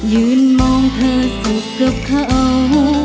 ยืนมองเธอสุขกับเขา